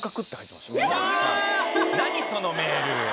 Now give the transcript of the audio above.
何そのメール何